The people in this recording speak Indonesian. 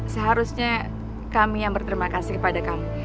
seharusnya kami yang berterima kasih kepada kami